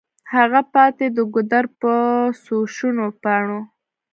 هلته پاتي د ګودر پر څوشنو پاڼو